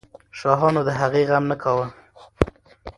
شاهانو د هغې غم نه کاوه.